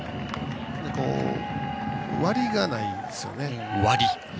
で、割りがないですよね。